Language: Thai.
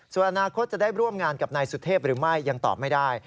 ส่วนอนาคตจะได้ร่วมงานกับนายสุเทพหรือไม่ยังตอบไม่ได้